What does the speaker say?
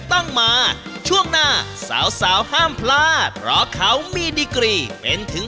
ต้องมาช่วงหน้าสาวสาวห้ามพลาดเพราะเขามีดีกรีเป็นถึง